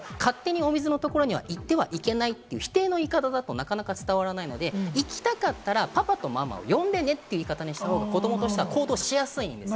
ルールを伝えるときも勝手にお水のところに行ってはいけないという否定の言い方だと、なかなか伝わらないので、行きたかったらパパとママを呼んでねという言い方にした方が、子どもとしては行動しやすい。